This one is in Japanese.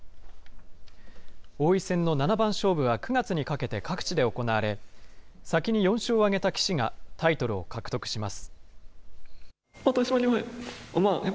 王位戦の七番勝負は９月にかけて各地で行われ、先に４勝を挙げた棋士がタイトルを獲得します。